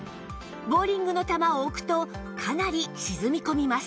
ボウリングの球を置くとかなり沈み込みます